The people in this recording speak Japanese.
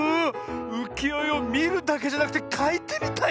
うきよえをみるだけじゃなくてかいてみたい！